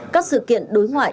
các sự kiện đối ngoại